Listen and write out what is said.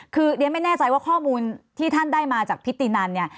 คือเรียนไม่แน่ใจว่าข้อมูลที่ท่านได้มาจากพิธีนันเนี่ย